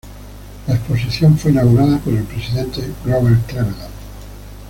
La exposición fue inaugurada por el presidente Grover Cleveland.